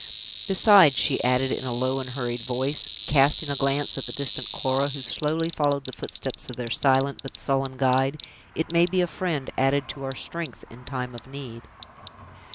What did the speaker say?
Besides," she added, in a low and hurried voice, casting a glance at the distant Cora, who slowly followed the footsteps of their silent, but sullen guide, "it may be a friend added to our strength, in time of need."